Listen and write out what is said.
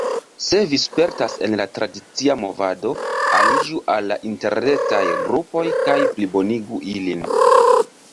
Se vi spertas en la tradicia movado, aliĝu al interretaj grupoj kaj plibonigu ilin.